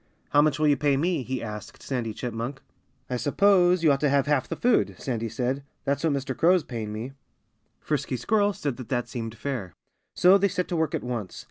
"How much will you pay me?" he asked Sandy Chipmunk. "I suppose you ought to have half the food," Sandy said. "That's what Mr. Crow is paying me." Frisky Squirrel said that that seemed fair. So they set to work at once.